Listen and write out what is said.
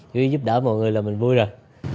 chỉ giúp đỡ mọi người là mình vui rồi